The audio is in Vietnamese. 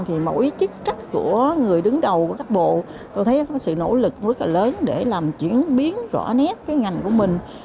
thì mỗi chức trách của người đứng đầu của các bộ tôi thấy có sự nỗ lực rất là lớn để làm chuyển biến rõ nét cái ngành của mình